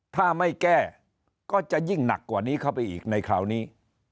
ถ้าไม่แก้ก็จะยิ่งหนักกว่านี้เข้าไปอีกในคราวนี้